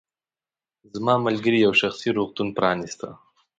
زما ملګرې یو شخصي روغتون پرانیسته.